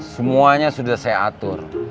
semuanya sudah saya atur